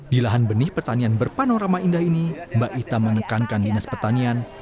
di lahan benih pertanian berpanorama indah ini mbak ita menekankan dinas pertanian